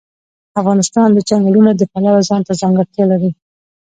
افغانستان د چنګلونه د پلوه ځانته ځانګړتیا لري.